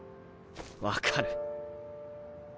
分かる。